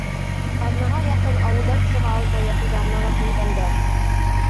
Аҙнаға яҡын ауылдан сыға алмай ятыуҙарына ла күнгәндәр.